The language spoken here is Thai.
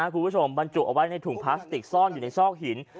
บรรจุเอาไว้ในถุงพลาสติกซ่อนอยู่ในซอกหิน